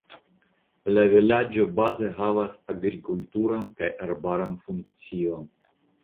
La vilaĝo baze havas agrikulturan kaj arbaran funkcion.